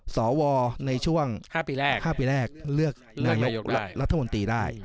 สวในช่วง๕ปีแรกเลือกนายกรัฐมนตรีได้